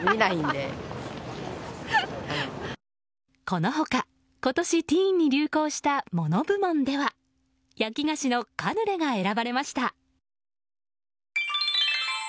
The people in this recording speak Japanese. この他今年ティーンに流行したモノ部門では焼き菓子のカヌレが選ばれました。